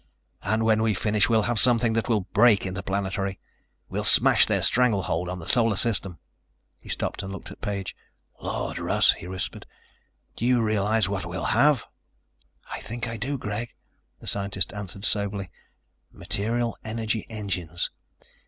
"And when we finish, we'll have something that will break Interplanetary. We'll smash their stranglehold on the Solar System." He stopped and looked at Page. "Lord, Russ," he whispered, "do you realize what we'll have?" "I think I do, Greg," the scientist answered soberly. "Material energy engines.